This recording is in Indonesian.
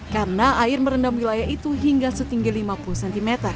karena air merendam wilayah itu hingga setinggi lima puluh cm